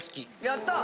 やった！